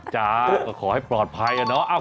จ้าก็ขอให้ปลอดภัยนะ